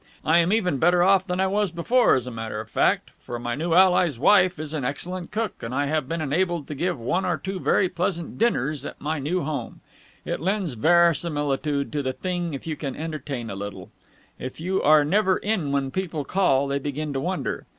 I am even better off than I was before, as a matter of fact, for my new ally's wife is an excellent cook, and I have been enabled to give one or two very pleasant dinners at my new home. It lends verisimilitude to the thing if you can entertain a little. If you are never in when people call, they begin to wonder.